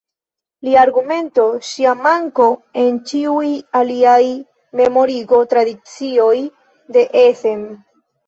Lia argumento: Ŝia manko en ĉiuj aliaj memorigo-tradicioj de Essen.